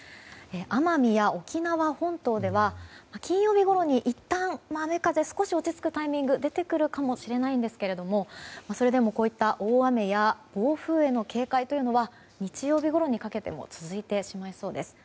奄美や沖縄本島では金曜日ごろにいったん雨風が落ち着くタイミングが出てくるかもしれないんですがそれでもこうした大雨や暴風への警戒は日曜日ごろにかけても続いてしまいそうです。